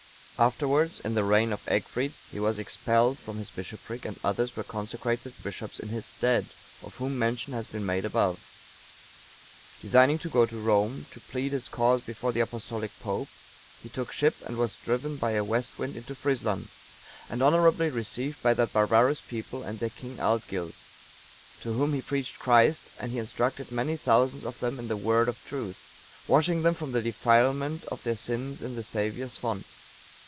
Afterwards, in the reign of Egfrid, he was expelled from his bishopric, and others were consecrated bishops in his stead, of whom mention has been made above.(910) Designing to go to Rome, to plead his cause before the Apostolic Pope, he took ship, and was driven by a west wind into Frisland,(911) and honourably received by that barbarous people and their King Aldgils, to whom he preached Christ, and he instructed many thousands of them in the Word of truth, washing them from the defilement of their sins in the Saviour's font.